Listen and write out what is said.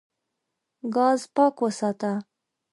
ګاز پاک وساته.